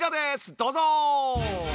どうぞ！